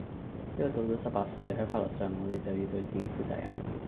因為到咗十八歲，係法律上我地就要對自己負責任